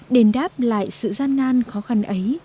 đền đáp lại sự gian nan khó khăn ấy